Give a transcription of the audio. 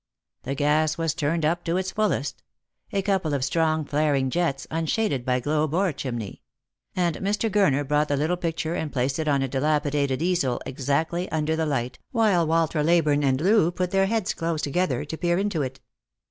The gas was turned up to its fullest — a couple of strong flaring jets, unshaded by globe or chimney — and Mr. Gurner brought the little picture and placed it on a dilapidated easel exactly under the light, while Walter Leyburne and Loo put their heads close together to peer into it.